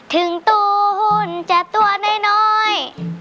ถึงตัวหุ้นจะตัวน้อย